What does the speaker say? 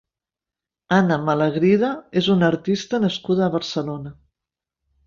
Anna Malagrida és una artista nascuda a Barcelona.